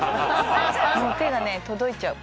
もう手がね届いちゃう。